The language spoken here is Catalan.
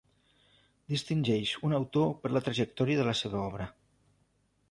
Distingeix un autor per la trajectòria de la seva obra.